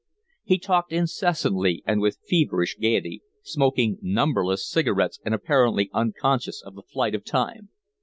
He talked incessantly and with feverish gayety, smoking numberless cigarettes and apparently unconscious of the flight of time.